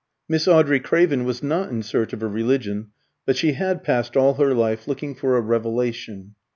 Miss Audrey Craven was not in search of a religion, but she had passed all her life looking for a revelation.